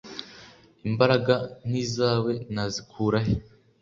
imbaraga nk izawe nazikurahe